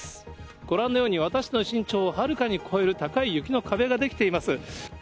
ご覧のように、私の身長をはるかに超える高い雪の壁が出来ています。